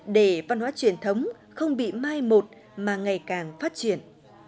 để văn hóa truyền thống không bị mai một mà ngày càng phát triển